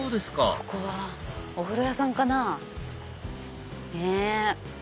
ここはお風呂屋さんかな？ねぇ！